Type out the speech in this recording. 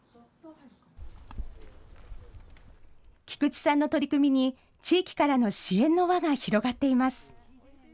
菊地さんの取り組みに、地域からの支援の輪が広がっています。